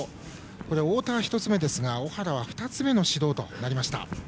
太田は１つ目ですが、尾原は２つ目の指導となりました。